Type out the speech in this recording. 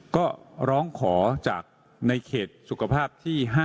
ก็ร้องขอจากในเขตสุขภาพที่๕